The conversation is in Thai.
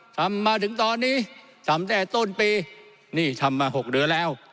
ทำมาถึงตอนนี้ทำแต่ต้นปีนี่ทำมา๖เดือนแล้ว